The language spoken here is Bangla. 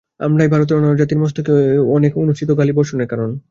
আমরাই ভারতের অন্যান্য জাতির মস্তকে অনেক অনুচিত গালি-বর্ষণের কারণ।